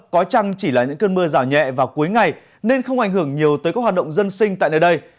có chăng chỉ là những cơn mưa rào nhẹ vào cuối ngày nên không ảnh hưởng nhiều tới các hoạt động dân sinh tại nơi đây